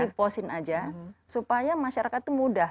hiposin aja supaya masyarakat itu mudah